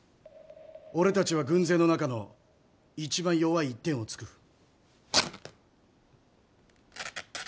俺たちは軍勢の中の一番弱い一点を突く。